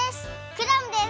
クラムです！